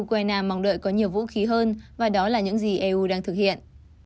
ukraine mong đợi có nhiều vũ khí hơn và đó là những gì eu đang thực hiện